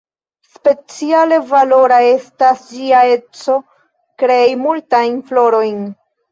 Speciale valora estas ĝia eco krei multajn florojn.